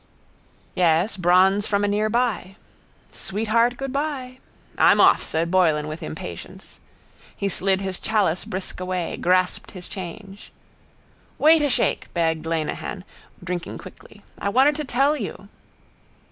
Yes, bronze from anearby. —... Sweetheart, goodbye! —I'm off, said Boylan with impatience. He slid his chalice brisk away, grasped his change. —Wait a shake, begged Lenehan, drinking quickly. I wanted to tell you.